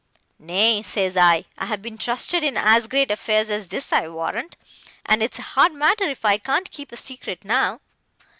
Nay, says I, I have been trusted in as great affairs as this, I warrant, and it's a hard matter if I can't keep a secret now.